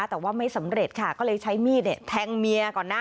แต่ว่าไม่สำเร็จค่ะก็เลยใช้มีดแทงเมียก่อนนะ